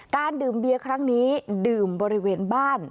ดื่มเบียร์ครั้งนี้ดื่มบริเวณบ้าน